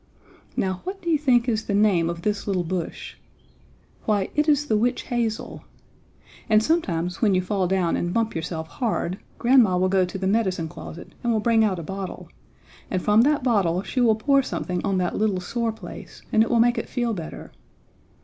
Now, what do you think is the name of this little bush? Why, it is the witch hazel. And sometime when you fall down and bump yourself hard grandma will go to the medicine closet and will bring out a bottle, and from that bottle she will pour something on that little sore place and it will make it feel better.